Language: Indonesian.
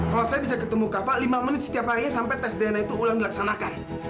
kalau saya bisa ketemu kapal lima menit setiap harinya sampai tes dna itu ulang dilaksanakan